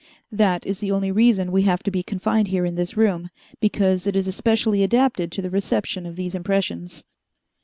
That is the only reason we have to be confined here in this room, because it is especially adapted to the reception of these impressions.